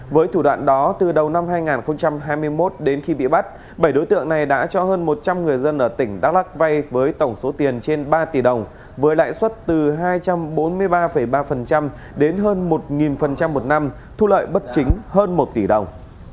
với thủ đoạn đó từ đầu năm hai nghìn hai mươi một đến khi bị bắt bảy đối tượng này đã cho hơn một trăm linh người dân ở tỉnh đắk lắc vay với tổng số tiền trên ba tỷ đồng với lãi suất từ hai trăm bốn mươi ba ba đến hơn một một năm thu lợi bất chính hơn một tỷ đồng